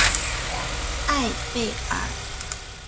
艾贝尔。